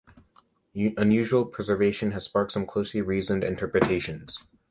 Unusual preservation has sparked some closely reasoned interpretations.